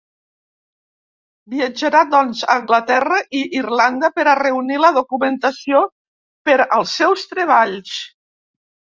Viatjarà doncs a Anglaterra i Irlanda per a reunir la documentació per als seus treballs.